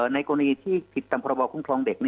ในกรณีที่ผิดตามพรบคุ้มครองเด็ก